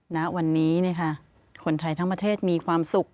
ณวันนี้คนไทยทั้งประเทศมีความสุข